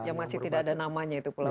yang masih tidak ada namanya itu pulau pulau